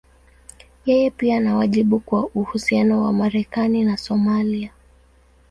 Yeye pia ana wajibu kwa uhusiano wa Marekani na Somalia.